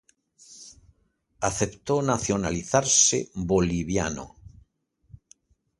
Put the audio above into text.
Aceptó nacionalizarse boliviano.